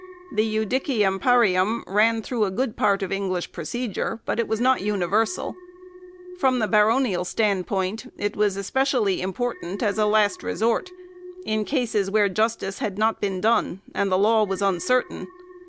The "judicium parium" ran through a good part of English procedure, but was not universal. From the baronial standpoint it was especially important as a last resort, in cases where justice had not been done, and the law was uncertain.